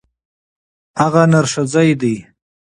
هغه نرښځی دی.